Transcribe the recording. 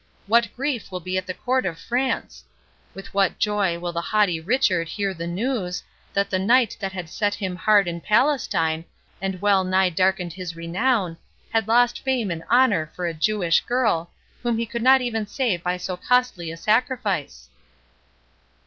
What grief will be at the Court of France! With what joy will the haughty Richard hear the news, that the knight that set him hard in Palestine, and well nigh darkened his renown, has lost fame and honour for a Jewish girl, whom he could not even save by so costly a sacrifice!"